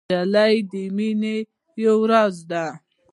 نجلۍ د مینې یو راز ده.